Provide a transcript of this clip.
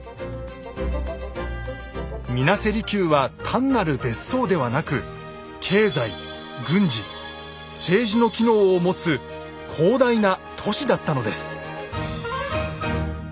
水無瀬離宮は単なる別荘ではなく経済軍事政治の機能を持つ広大な都市だったのです。